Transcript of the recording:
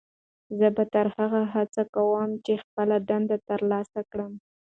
زه به تر هغو هڅه کوم چې خپله دنده ترلاسه کړم.